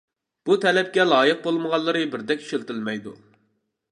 بۇ تەلەپكە لايىق بولمىغانلىرى بىردەك ئىشلىتىلمەيدۇ.